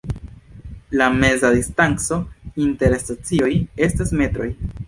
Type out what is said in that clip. La meza distanco inter stacioj estas metroj.